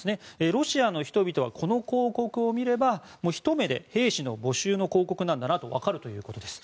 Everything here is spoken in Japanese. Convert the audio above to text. ロシアの人々はこの広告を見ればひと目で兵士の募集の広告なんだなとわかるということです。